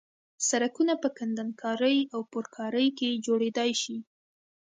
سرکونه په کندنکارۍ او پرکارۍ کې جوړېدای شي